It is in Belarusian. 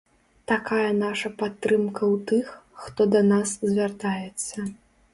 Такая наша падтрымка ў тых, хто да нас звяртаецца.